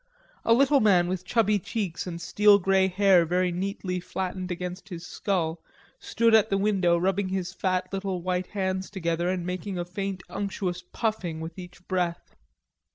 A little man with chubby cheeks and steel grey hair very neatly flattened against his skull, stood at the window rubbing his fat little white hands together and making a faint unctuous puffing with each breath.